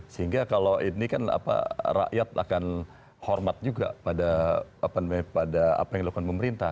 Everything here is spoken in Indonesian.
sehingga kalau ini kan rakyat akan hormat juga pada apa yang dilakukan pemerintah